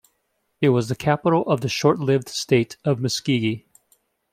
It was the capital of the short-lived State of Muskogee.